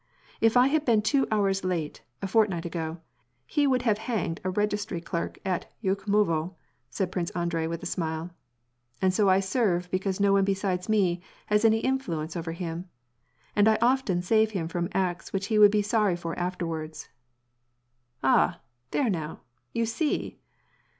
If I had been two hours late, a fortnight ago, he would have hanged a registry clerk at Yukhmovo," said Prince Andrei, with a smile, " and so I serve because no one besides me has any influence over him, and I often save him from acts which he would be sorry for afterwards." " Ah, there now, you see